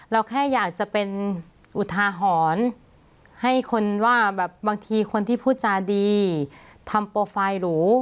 เราแค่อยากจะเป็นอุทาหรณ์ให้คนว่าแบบบางทีคนที่พูดจาดีทำโปรไฟล์หรู